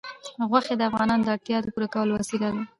غوښې د افغانانو د اړتیاوو د پوره کولو وسیله ده.